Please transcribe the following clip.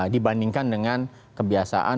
dibandingkan dengan kebiasaan